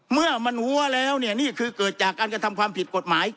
เมื่อมันหัวแล้วเนี่ยนี่คือเกิดจากการกระทำความผิดกฎหมาย